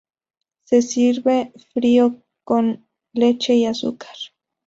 Se sirve frío con leche y azúcar.